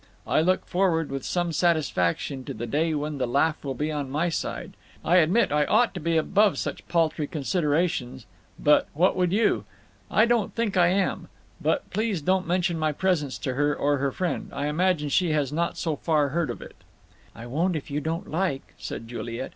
I look forward, with some satisfaction, to the day when the laugh will be on my side. I admit I ought to be above such paltry considerations, but, what would you? I don't think I am. But please don't mention my presence to her, or her friend. I imagine she has not so far heard of it." "I won't if you don't like," said Juliet.